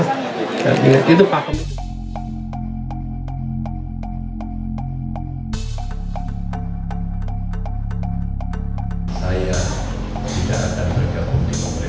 saya tidak akan bergabung di pemerintah ini